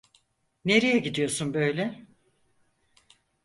Nereye gidiyorsun böyle?